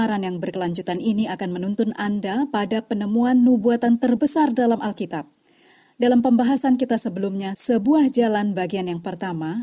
dalam pembahasan kita sebelumnya sebuah jalan bagian yang pertama